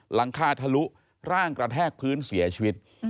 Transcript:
หลังคาทะลุร่างกระแทกพื้นเสียชีวิต